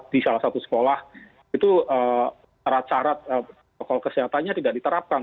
di salah satu sekolah itu cara cara pokok kesehatannya tidak diterapkan